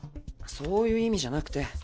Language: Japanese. そういう意味じゃなくて。